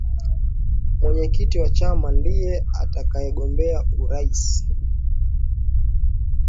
mwenyekiti wa chama ndiye atakayegombea uraisi